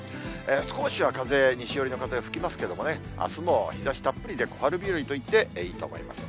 少しは風、西寄りの風、吹きますけれどもね、あすも日ざしたっぷりで、小春日和と言っていいと思います。